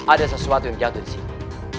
ada sesuatu yang jatuh di sini